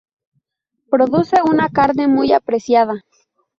Produce una carne muy apreciada.